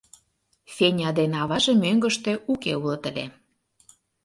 Феня ден аваже мӧҥгыштӧ уке улыт ыле.